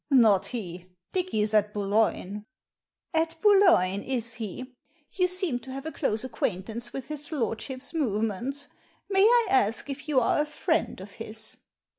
" Not he. Dicky's at Bpulogne." " At Boulogne, is he ? You seem to have a close acquaintance with his lordship's movements. May I ask if you are a friend of his